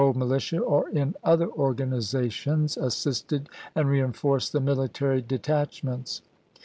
26, enrolled militia or in other organizations, assisted and reenforced the mihtary detachments.